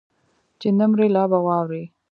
چې نه مرې لا به واورې